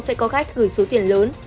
sẽ có khách gửi số tiền lớn